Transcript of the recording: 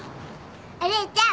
お姉ちゃん。